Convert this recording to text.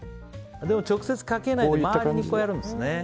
直接かけないで周りにやるんですね。